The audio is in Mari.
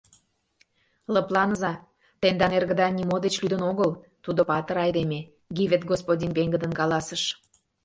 — Лыпланыза, тендан эргыда нимо деч лӱдын огыл, тудо патыр айдеме, — Гивет господин пеҥгыдын каласыш.